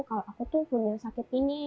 kalau aku tuh punya sakit tinggi